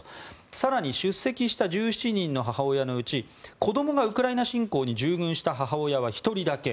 更に出席した１７人の母親のうち子供がウクライナ侵攻に従軍した母親は１人だけ。